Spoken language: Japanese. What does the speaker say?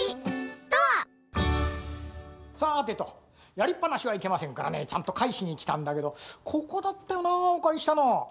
さてとやりっぱなしはいけませんからねちゃんとかえしにきたんだけどここだったよなぁおかりしたの。